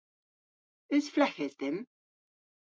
Eus fleghes dhymm?